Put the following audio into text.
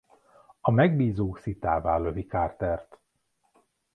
A megbízó szitává lövi Carter-t.